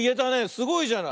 すごいじゃない。